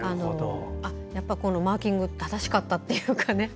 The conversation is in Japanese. やっぱりマーキングが正しかったっていうかね。